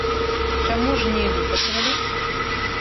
Чаму ж не выпрацавалі?